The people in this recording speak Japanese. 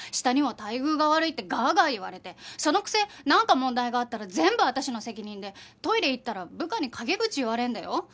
下には「待遇が悪い」ってガーガー言われてそのくせなんか問題があったら全部私の責任でトイレ行ったら部下に陰口言われるんだよ。